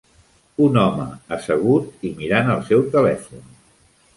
un home assegut i mirant el seu telèfon.